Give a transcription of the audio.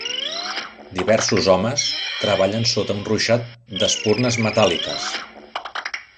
Diversos homes treballen sota un ruixat de espurnes metàl·liques.